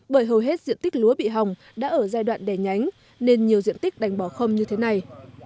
bởi hầu hết diện tích lúa bị hỏng đã ở giai đoạn đẻ nhánh nên nhiều diện tích đành bỏ không như thế này